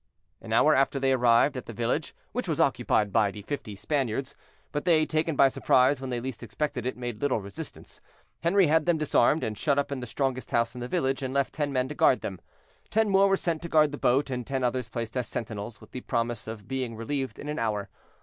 An hour after they arrived at the village, which was occupied by the fifty Spaniards, but they, taken by surprise when they least expected it, made little resistance. Henri had them disarmed and shut up in the strongest house in the village, and left ten men to guard them. Ten more were sent to guard the boat, and ten others placed as sentinels, with the promise of being relieved in an hour.